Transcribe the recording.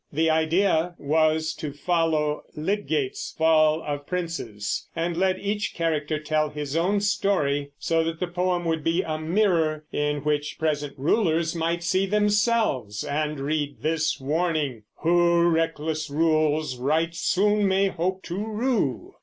The idea was to follow Lydgate's Fall of Princes and let each character tell his own story; so that the poem would be a mirror in which present rulers might see themselves and read this warning: "Who reckless rules right soon may hope to rue."